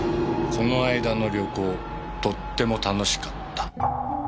この間の旅行とっても楽しかった。